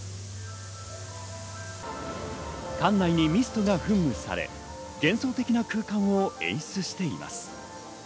館内にミストが噴霧され幻想的な空間を演出しています。